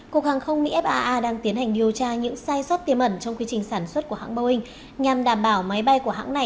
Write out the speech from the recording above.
cục hàng không mỹ faa đang tiến hành điều tra những sai sót tiềm ẩn trong quy trình sản xuất của hãng boeing nhằm đảm bảo máy bay của hãng này